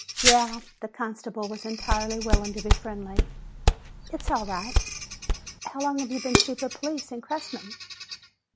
"Yeah," the constable was entirely willing to be friendly, "it's all right." "How long have you been chief of police in Cressman?"